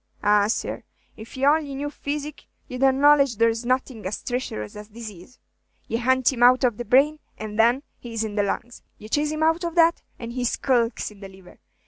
Ah, sir, if ye only knew physic, ye 'd acknowledge there 's nothing as treacherous as dizaze. Ye hunt him out of the brain, and then he is in the lungs. Ye chase him out of that, and he skulks in the liver.